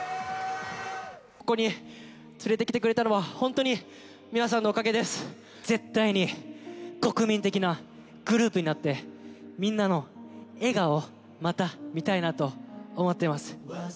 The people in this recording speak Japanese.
ここに連れてきてくれたのは、絶対に国民的なグループになって、みんなの笑顔をまた見たいなと思っています。